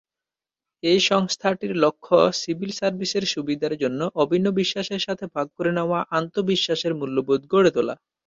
এই সংস্থাটির লক্ষ্য সিভিল সার্ভিসের সুবিধার জন্য অভিন্ন বিশ্বাসের সাথে ভাগ করে নেওয়া আন্তঃ-বিশ্বাসের মূল্যবোধ গড়ে তোলা।